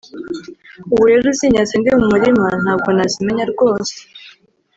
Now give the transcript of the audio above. ubu rero uzinyatse ndi mu murima ntabwo nazimenya rwose